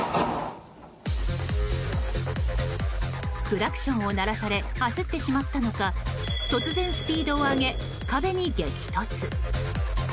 クラクションを鳴らされ焦ってしまったのか突然、スピードを上げ壁に激突。